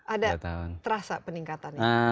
ada terasa peningkatan